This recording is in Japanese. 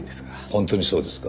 本当にそうですか？